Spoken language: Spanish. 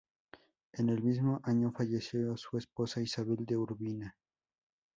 En el mismo año falleció su esposa Isabel de Urbina.